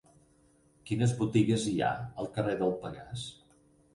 Quines botigues hi ha al carrer del Pegàs?